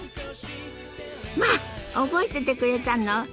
まあ覚えててくれたの！？